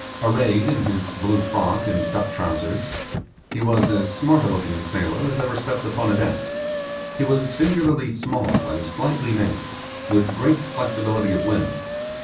Arrayed in his blue frock and duck trousers, he was as smart a looking sailor as ever stepped upon a deck; he was singularly small and slightly made, with great flexibility of limb.